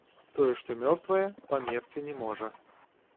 Тое, што мёртвае, памерці не можа.